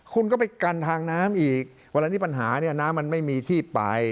คุณก็ไปกันทางน้ำอีกเวลาที่ปัญหาเนี่ยน้ำมันไม่มีที่ไป